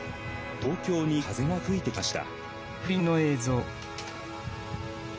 東京に風が吹いてきました。